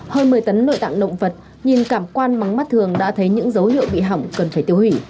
hơn một mươi tấn nội tạng động vật nhìn cảm quan mắm mắt thường đã thấy những dấu hiệu bị hỏng cần phải tiêu hủy